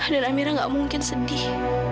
dan amirah gak mungkin sedih